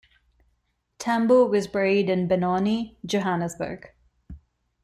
Tambo was buried in Benoni, Johannesburg.